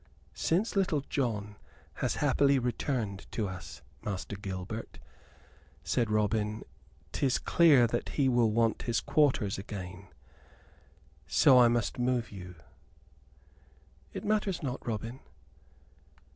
"Since Little John has happily returned to us, Master Gilbert," said Robin, "'tis clear that he will want his quarters again. So I must move you." "It matters not, Robin."